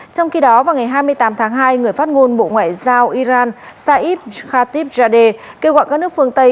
trong khi đó vào ngày hai mươi tám tháng hai người phát ngôn bộ ngoại giao iran saif khatib jadeh kêu gọi các nước phương tây